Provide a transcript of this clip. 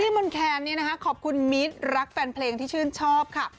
พี่มนแค่นเนี่ยนะคะขอบคุณมิตรรักแฟนเพลงที่ชื่นชอบค่ะ